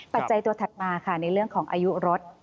ปัจจัยตัวถัดมาค่ะในเรื่องของอายุรถ